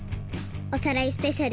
「おさらいスペシャル」